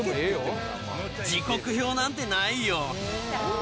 時刻表なんてないよ。